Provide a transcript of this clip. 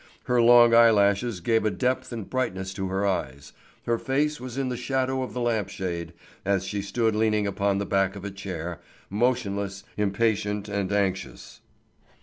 Her long eyelashes gave a depth and brightness to her eyes. Her face was in the shadow of the lamp shade, as she stood leaning upon the back of a chair, motionless, impatient and anxious.